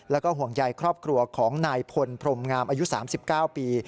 แล้วก็ห่วงใยครอบครัวของนายพลพรมงามอายุ๓๙ปี